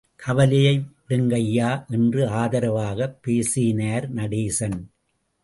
கவலையை விடுங்கய்யா என்று ஆதரவாகப் பேசினார் நடேசன்.